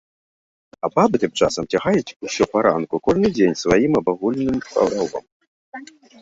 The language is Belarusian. А бабы, тым часам, цягаюць усё паранку кожны дзень сваім абагуленым каровам.